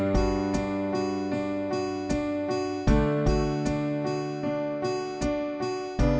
si kemot pasti nyariin yang raya